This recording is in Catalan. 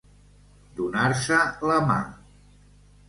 Donar-se la mà.